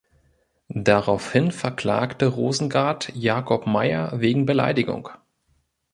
Daraufhin verklagte Rosengart Jakob Mayer wegen Beleidigung.